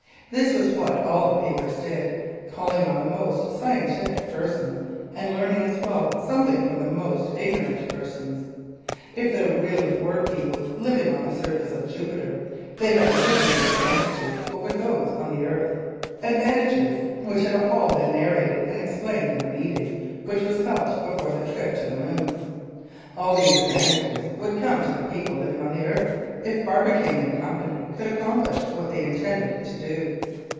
This was what all the papers did, calling on the most scientific persons and learning as well something from the most ignorant persons. If there really were people living on the surface of Jupiter, they had a good many advantages over those on the earth, advantages which had all been narrated and explained in the meeting which was held before the trip to the moon. All these advantages would come to the people living on the earth if Barbicane & Co. could accomplish what they intended to do.